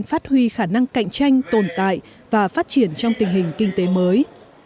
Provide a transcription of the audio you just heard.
phát huy khả năng cạnh tranh tồn tại và phát triển trong tình hình kinh tế mới